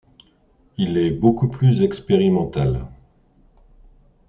Il est beaucoup plus expérimental.